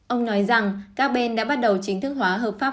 ông nói rằng các bên đã bắt đầu chính thức hóa hợp pháp